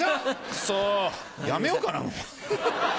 クソやめようかなもう。